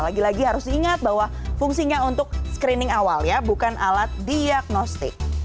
lagi lagi harus diingat bahwa fungsinya untuk screening awal ya bukan alat diagnostik